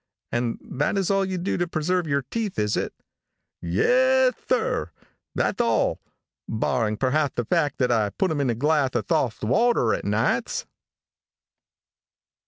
"And that is all you do to preserve your teeth, is it?" "Yes, sir; that's all barring, perhaps, the fact that I put them in a glass of soft water nights."